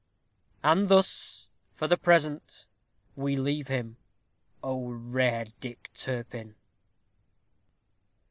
_ And thus, for the present, we leave him. O rare Dick Turpin!